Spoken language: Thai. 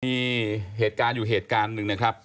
มีเหตุการณ์อยู่เหตุการณ์หนึ่งนะครับ